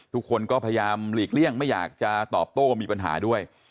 ทุกคนก็พยายามหลีกเลี่ยงไม่อยากจะตอบโต้ว่ามีปัญหาด้วย